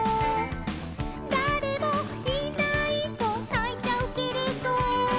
「だれもいないとないちゃうけれど」